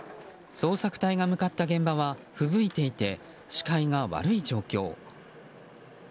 捜索隊が向かった現場はふぶいていて視界が悪い状況。